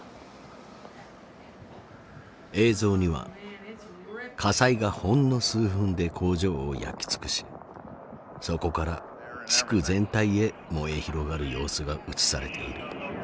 映像には火災がほんの数分で工場を焼き尽くしそこから地区全体へ燃え広がる様子が映されている。